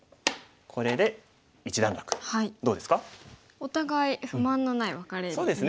お互い不満のないワカレに見えますね。